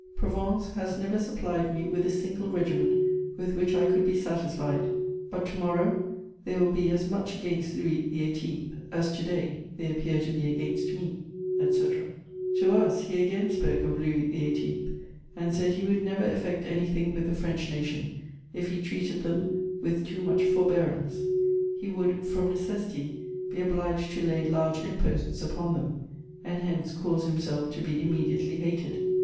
Provence has never supplied me with a single regiment with which I could be satisfied. But to morrow they will be as much against Louis XVIII. as to day they appear to be against me,' etc.... [Sidenote: His protests.] "To us he again spoke of Louis XVIII., and said he would never effect anything with the French nation if he treated them with too much forbearance. He would, from necessity, be obliged to lay large imposts upon them, and hence cause himself to be immediately hated.